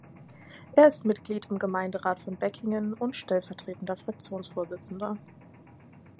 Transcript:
Er ist Mitglied im Gemeinderat von Beckingen und stellvertretender Fraktionsvorsitzender.